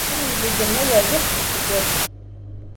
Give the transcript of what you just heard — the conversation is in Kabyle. Amenzu n yennayer d ixef n useggas.